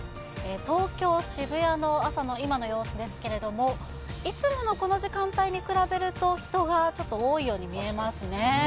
東京・渋谷の朝の今の様子ですけれども、いつものこの時間帯に比べると、人がちょっと多いように見えますね。